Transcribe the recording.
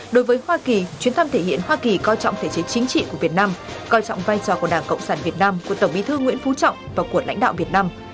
đối với hoa kỳ chuyến thăm thể hiện hoa kỳ coi trọng thể chế chính trị của việt nam coi trọng vai trò của đảng cộng sản việt nam của tổng bí thư nguyễn phú trọng và của lãnh đạo việt nam